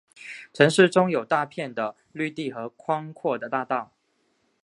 城市中有大片的绿地和宽阔的大道。